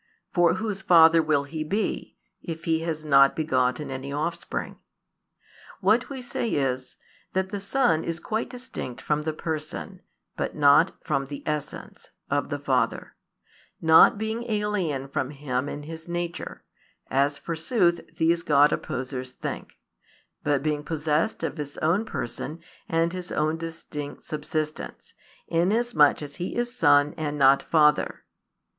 For whose Father will He be, if He has not begotten any Offspring? What we say is, that the Son is quite distinct from the Person, but not from the essence, of the Father; not being alien from Him in His nature, as forsooth these God opposers think, but being possessed of His own Person and His own distinct subsistence, inasmuch as He is Son and not Father.